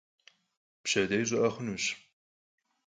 Pşedêy ş'ı'e xhunuş.